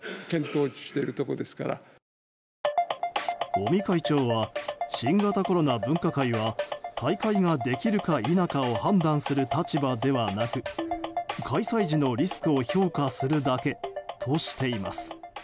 尾身会長は新型コロナ分科会は大会ができるか否かを判断する立場ではなく開催時のリスクを評価するだけとしています。